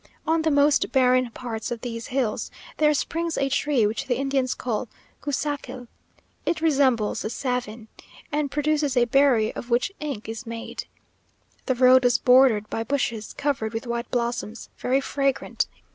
On the most barren parts of these hills, there springs a tree which the Indians call guisachel; it resembles the savine, and produces a berry of which ink is made. The road was bordered by bushes, covered with white blossoms, very fragrant.